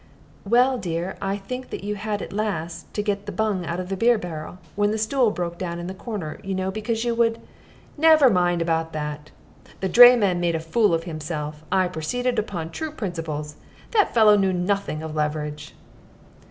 "Well, dear, I think that you had it last, to get the bung out of the beer barrel, when the stool broke down in the corner, you know, because you would " "Never mind about that. The drayman made a fool of himself. I proceeded upon true principles. That fellow knew nothing of leverage."